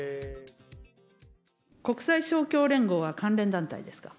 国際勝共連合は関連団体ですか。